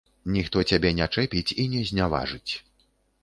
Ніхто цябе не чэпіць і не зняважыць.